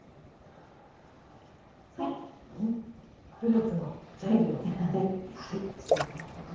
フルーツの準備をして頂きます。